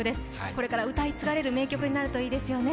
これから歌い継がれる名曲になるといいですよね。